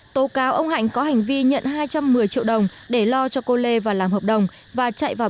tố cáo ông hạnh có hành vi nhận hai trăm một mươi triệu đồng để lo cho cô lê và làm hợp đồng và chạy vào